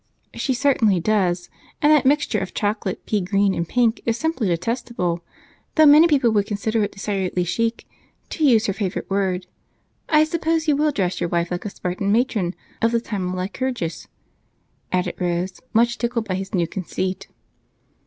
"She certainly does, and that mixture of chocolate, pea green, and pink is simply detestable, though many people would consider it decidedly 'chic,' to use her favorite word. I suppose you will dress your wife like a Spartan matron of the time of Lycurgus," added Rose, much tickled by his new conceit.